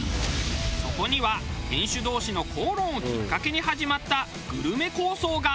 そこには店主同士の口論をきっかけに始まったグルメ抗争が。